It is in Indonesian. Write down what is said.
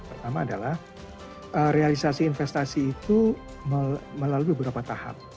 pertama adalah realisasi investasi itu melalui beberapa tahap